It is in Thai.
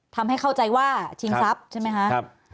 ทำให้เข้าใจว่าชิงทรัพย์ใช่ไหมคะ